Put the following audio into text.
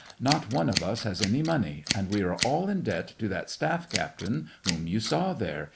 Not one of us has any money, and we are all in debt to that staff captain whom you saw there.